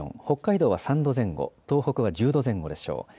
北海道は３度前後、東北は１０度前後でしょう。